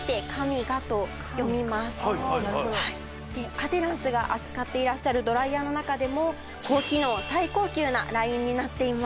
アデランスが扱っていらっしゃるドライヤーの中でも高機能最高級なラインになっています。